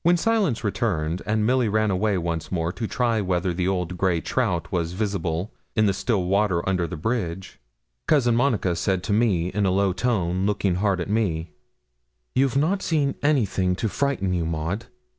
When silence returned, and Milly ran away once more to try whether the old gray trout was visible in the still water under the bridge, Cousin Monica said to me in a low tone, looking hard at me 'You've not seen anything to frighten you, Maud?